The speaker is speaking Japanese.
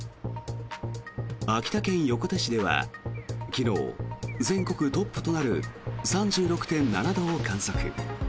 秋田県横手市では昨日、全国トップとなる３６．７度を観測。